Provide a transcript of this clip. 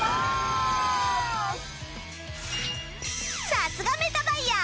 さすがメタバイヤー